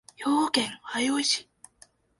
兵庫県相生市